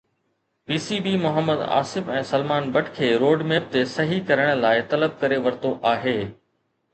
P C B Muhammad Asif ۽ Salman Butt کي road map تي صحيح ڪرڻ لاءِ طلب ڪري ورتو آهي